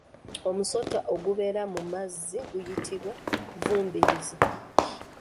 Omusota ogubeera mu amazzi guyitibwa Vvubirizi.